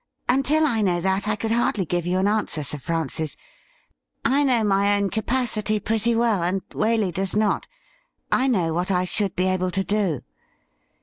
Until I know that, I could hardly give you an answer. Sir Francis. I know my own capacity pretty well, and Waley does not. I know what I should be able to do.